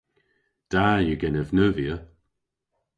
Da yw genev neuvya.